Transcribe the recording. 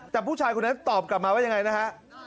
แต่ผู้ชายคนนั้นตอบกลับมาว่ายังไงนะฮะ